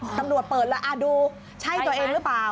ตำรวจเปิดแล้วดูใช่ตัวเองหรือเปล่า